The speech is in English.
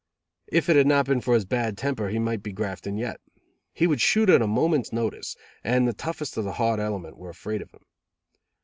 If it had not been for his bad temper, he might be grafting yet. He would shoot at a moment's notice, and the toughest of the hard element were afraid of him.